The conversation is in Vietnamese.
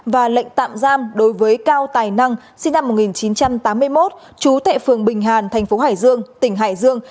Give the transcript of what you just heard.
và lệnh tạm giam đối với cao tài năng sinh năm một nghìn chín trăm tám mươi một trú tại phường bình hàn thành phố hải dương tỉnh hải dương